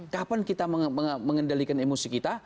kapan kita mengendalikan emosi kita